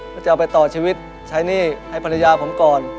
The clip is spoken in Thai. ก็จะเอาไปต่อชีวิตใช้หนี้ให้ภรรยาผมก่อน